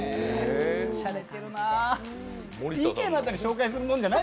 しゃれてるな。